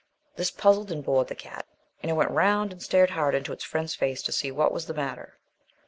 This puzzled and bored the cat, and it went round and stared hard into its friend's face to see what was the matter.